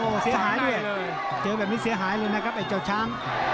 โอ้โหเสียหายด้วยเจอแบบนี้เสียหายเลยนะครับไอ้เจ้าช้าง